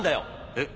えっ？